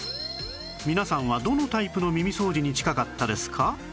皆さんはどのタイプの耳掃除に近かったですか？